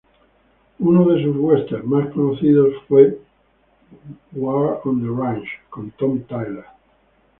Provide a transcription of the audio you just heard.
Uno de sus westerns más conocidos fue "War on the Range", con Tom Tyler.